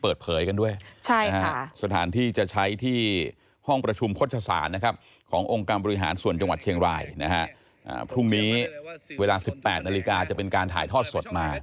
ไปที่ห้องประชุมโภชศาสตร์ขององค์กรรมบริหารส่วนจังหวัดเชียงรายพรุ่งนี้เวลา๑๘นาฬิกาจะเป็นการถ่ายทอดสดมา